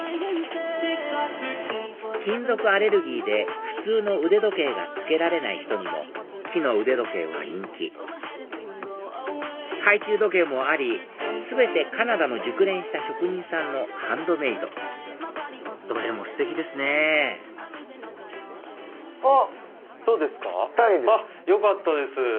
金属アレルギーで普通の腕時計が着けられない人にも木の腕時計は人気懐中時計もあり全てカナダの熟練した職人さんのハンドメイドどれもステキですねあっぴったりです！